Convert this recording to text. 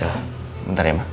ya bentar ya ma